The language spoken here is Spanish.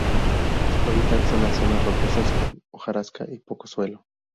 Su hábitat son las zonas rocosas con hojarasca y poco suelo.